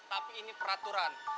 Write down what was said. tapi ini peraturan